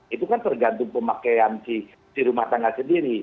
itu kan tergantung pemakaian si rumah tangga sendiri